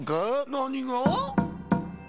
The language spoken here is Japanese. なにが？